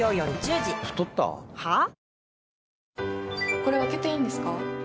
これ開けていいんですか？